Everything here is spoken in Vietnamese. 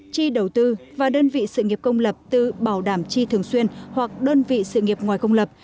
chi đầu tư và đơn vị sự nghiệp công lập tự bảo đảm chi thường xuyên hoặc đơn vị sự nghiệp ngoài công lập